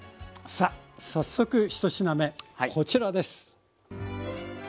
さあ早速１品目こちらです。